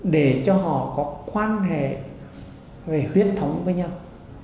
để cho họ có quan hệ về huyết thống với nhau